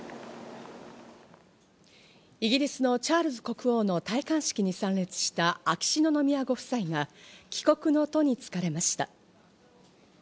イギリスのチャールズ国王の戴冠式に参列した秋篠宮ご夫妻が、帰国の途につかれました。